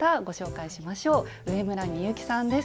上村幸さんです。